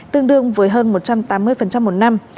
tương đương với hơn một trăm tám mươi một năm